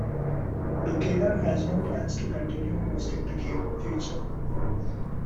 Dokeda has no plans to continue hosting the game in future.